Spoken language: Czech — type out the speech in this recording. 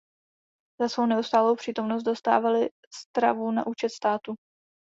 Za svou neustálou přítomnost dostávali stravu na účet státu.